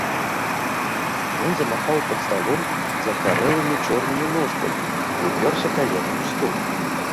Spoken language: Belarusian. Ён замахаў пад сталом закарэлымі чорнымі ножкамі і ўпёрся каленам у стол.